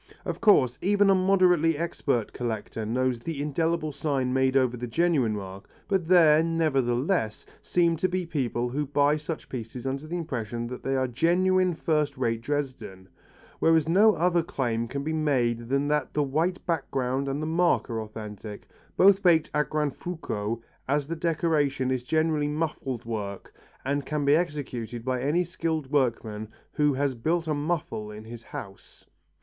Of course even a moderately expert collector knows the indelible sign made over the genuine mark, but there, nevertheless, seem to be people who buy such pieces under the impression that they are genuine first rate Dresden, whereas no other claim can be made than that the white background and the mark are authentic, both baked a gran fuoco as the decoration is generally muffled work and can be executed by any skilled workman who has built a muffle in his own house.